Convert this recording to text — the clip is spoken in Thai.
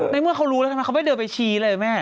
เมื่อเขารู้แล้วทำไมเขาไม่เดินไปชี้เลยแม่